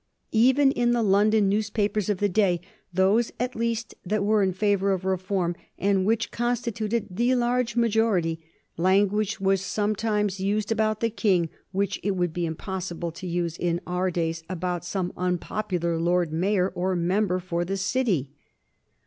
Even in the London newspapers of the day, those at least that were in favor of reform, and which constituted the large majority, language was sometimes used about the King which it would be impossible to use in our days about some unpopular Lord Mayor or member for the City.